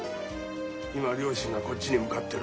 今両親がこっちに向かってる。